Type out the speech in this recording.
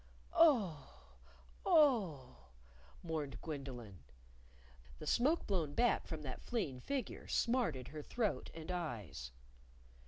"Oh! Oh!" mourned Gwendolyn. The smoke blown back from that fleeing figure smarted her throat and eyes.